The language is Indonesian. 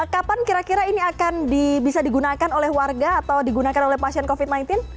kapan kira kira ini akan bisa digunakan oleh warga atau digunakan oleh pasien covid sembilan belas